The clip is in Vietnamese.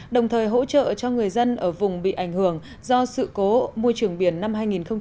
đồng thời hỗ trợ cho người dân ở vùng bị ảnh hưởng do sự cố môi trường biển năm hai nghìn một mươi chín